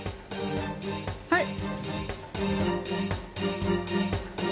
はい。